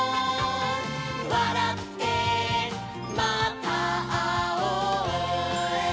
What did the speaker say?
「わらってまたあおう」